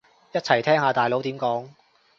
一齊聽下大佬點講